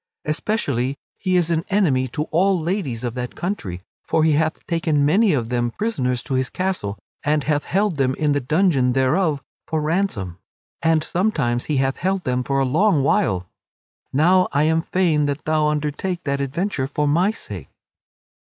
Especially he is an enemy to all ladies of that country, for he hath taken many of them prisoners to his castle and hath held them in the dungeon thereof for ransom; and sometimes he hath held them for a long while. Now I am fain that thou undertake that adventure for my sake."